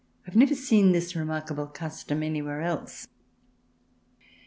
(I have never seen this remarkable custom anywhere else.)